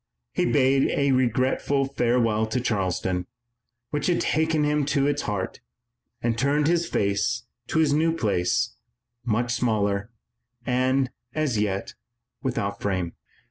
He bade a regretful farewell to Charleston, which had taken him to its heart, and turned his face to this new place, much smaller, and, as yet, without fame.